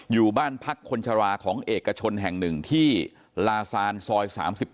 อยู่บ้านพักคนชราของเอกชนแห่ง๑ที่ลาซานซอย๓๘